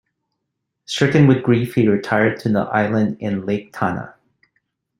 Stricken with grief, he retired to an island in Lake Tana.